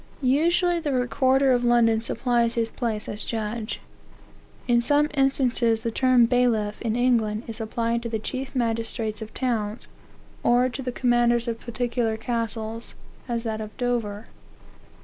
Usually, the recorder of London supplies his place as judge. In some instances the term bailiff, in England, is applied to the chief magistrates of towns, or to the commanders of particular castles, as that of Dover.